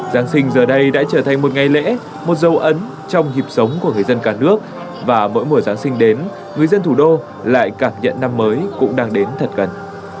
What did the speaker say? giáng sinh giờ đây đã trở thành một ngày lễ một dấu ấn trong nhịp sống của người dân cả nước và mỗi mùa giáng sinh đến người dân thủ đô lại cảm nhận năm mới cũng đang đến thật gần